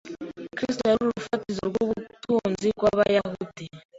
Kristo yari urufatiro rw’ubutunzi bw’Abayuda.